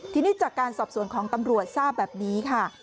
ทีนี้จากการสอบสวนของตำรวจทราบแบบนี้ค่ะ